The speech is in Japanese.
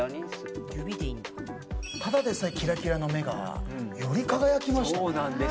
ただでさえキラキラな目がより輝きましたね。